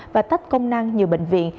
và tách công năng nhiều bệnh viện